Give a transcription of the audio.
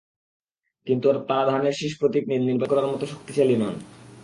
কিন্তু তাঁরা ধানের শীষ প্রতীক নিয়ে নির্বাচন করার মতো শক্তিশালী নন।